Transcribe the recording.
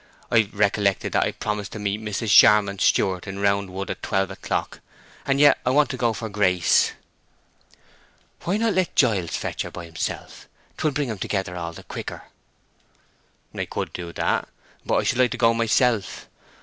"I've recollected that I promised to meet Mrs. Charmond's steward in Round Wood at twelve o'clock, and yet I want to go for Grace." "Why not let Giles fetch her by himself? 'Twill bring 'em together all the quicker." "I could do that—but I should like to go myself.